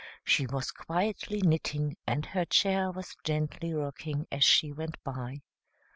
She was quietly knitting, and her chair was gently rocking as she went by.